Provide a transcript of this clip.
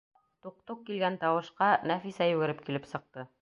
«Туҡ-туҡ» килгән тауышҡа Нәфисә йүгереп килеп сыҡты.